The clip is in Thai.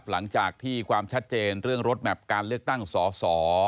หลังจากที่ความชัดเจนเรื่องรถแมพการเลือกตั้งสอสอ